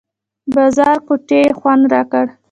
بازارګوټي یې خوند راکړ.